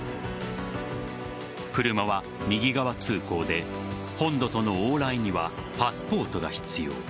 車は右側通行で本土との往来にはパスポートが必要。